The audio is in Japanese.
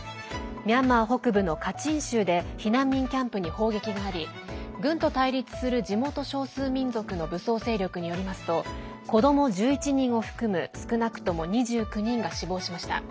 ミャンマーでは北部カチン州で攻撃があり軍と対立する地元少数民族の武装勢力によりますと子ども１１人を含む少なくとも２９人が死亡しました。